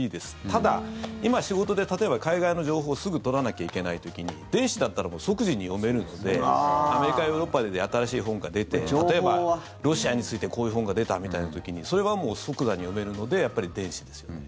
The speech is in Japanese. ただ、今、仕事で例えば、海外の情報をすぐ取らなきゃいけない時に電子だったら即時に読めるのでアメリカやヨーロッパで新しい本が出て例えばロシアについてこういう本が出たみたいな時にそれはもう即座に読めるのでやっぱり電子ですよね。